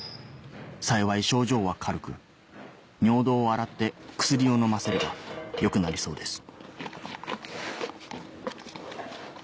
幸い症状は軽く尿道を洗って薬を飲ませれば良くなりそうです